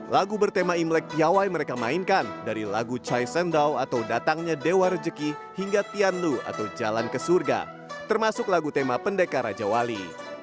lagu bertema imlek piawai mereka mainkan dari lagu chai sendaw atau datangnya dewa rejeki hingga tianlu atau jalan ke surga termasuk lagu tema pendeka raja wali